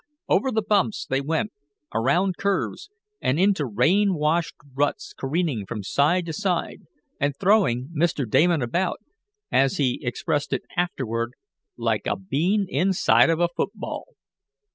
Over the bumps they went, around curves and into rain washed ruts careening from side to side, and throwing Mr. Damon about, as he expressed it afterward, "like a bean inside of a football."